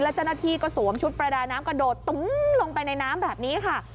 เจ้าหน้าที่ก็สวมชุดประดาน้ำกระโดดตุ้มลงไปในน้ำแบบนี้ค่ะ